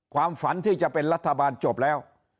ความฝันที่จะเป็นรัฐบาลจบแล้ว